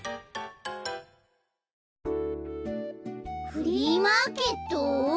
フリーマーケット？